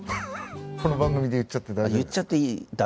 この番組で言っちゃって大丈夫なんですか？